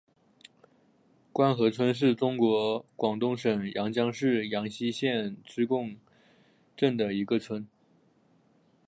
官河村是中国广东省阳江市阳西县织贡镇的一个村。